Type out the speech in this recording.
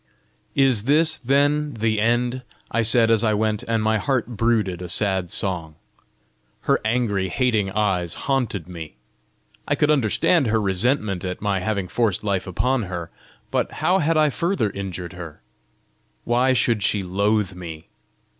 "Is this, then, the end?" I said as I went, and my heart brooded a sad song. Her angry, hating eyes haunted me. I could understand her resentment at my having forced life upon her, but how had I further injured her? Why should she loathe me?